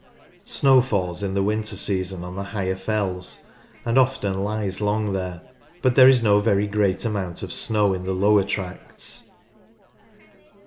Snow falls in the winter season on the higher fells and often lies long there, but there is no very great amount of snow in the lower tracts.